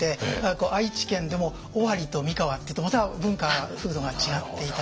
愛知県でも尾張と三河っていうとまた文化風土が違っていたりですね。